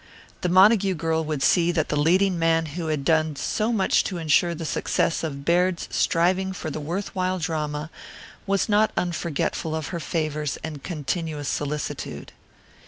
The Montague girl would see that the leading man who had done so much to insure the success of Baird's striving for the worth while drama was not unforgetful of her favours and continuous solicitude.